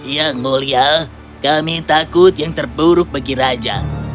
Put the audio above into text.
ya ngulia kami takut yang terburuk bagi raja